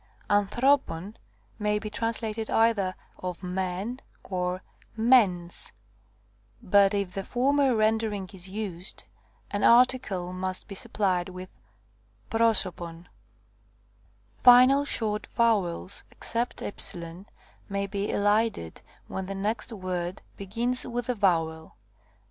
3 ἀνθρώπων may be translated either of men or men's ; but if the former coagit τν ὦ is used, an article must be'supplied with πρόσωπον. 4 Final short vowels, except ¥, may be elided, when the next word begins with a vowel.